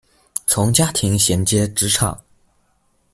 从家庭衔接职场